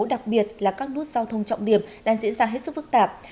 đặc biệt là các nút giao thông trọng điểm đang diễn ra hết sức phức tạp